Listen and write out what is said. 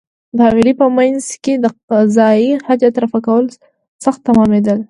د حویلۍ په مېنځ کې د قضای حاجت رفع کول سخت تمامېدل.